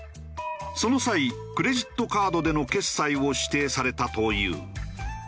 その際クレジットカードでの決済を指定されたという。